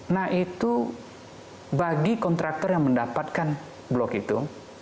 nah itu bagi kontraktor yang mendapatkan blok itu